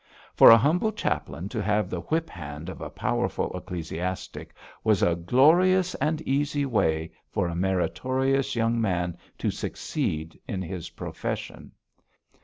For a humble chaplain to have the whip hand of a powerful ecclesiastic was a glorious and easy way for a meritorious young man to succeed in his profession.